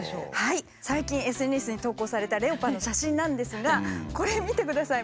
最近ＳＮＳに投稿されたレオパの写真なんですがこれ見てください。